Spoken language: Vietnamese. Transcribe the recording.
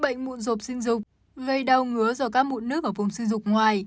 bệnh mụn rộp sinh dục gây đau ngứa do các mụn nước ở vùng sư dục ngoài